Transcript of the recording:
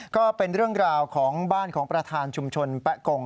ก็เป็นเรื่องราวของบ้านของประธานชุมชนแป๊ะกง